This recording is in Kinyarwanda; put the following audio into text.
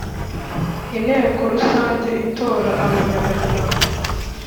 Inteko Rusange Itora Abanyamuryango